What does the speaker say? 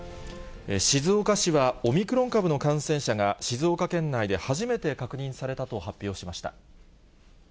静岡市はオミクロン株の感染者が静岡県内で初めて確認されたと発表しました。